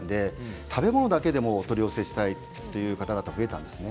食べ物だけでも取り寄せたいという方が増えたんですね。